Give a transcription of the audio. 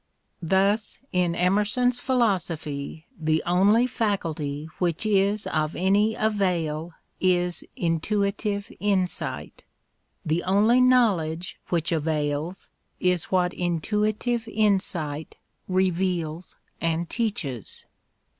Thus in Emerson's philosophy the only faculty which is of any avail is intuitive insight ; the only knowledge which avails is what intuitive insight reveals and teaches.